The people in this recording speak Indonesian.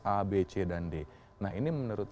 a b c dan d nah ini menurut